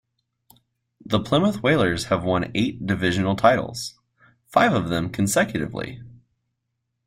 The Plymouth Whalers have won eight divisional titles, five of them consecutively.